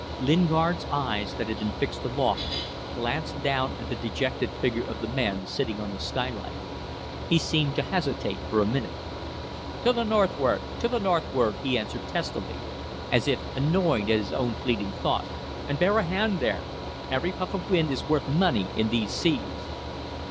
Lingard's eyes, that had been fixed aloft, glanced down at the dejected figure of the man sitting on the skylight. He seemed to hesitate for a minute. "To the northward, to the northward," he answered, testily, as if annoyed at his own fleeting thought, "and bear a hand there. Every puff of wind is worth money in these seas."